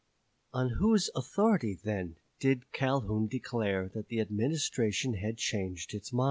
On whose authority, then, did Calhoun declare that the Administration had changed its mind?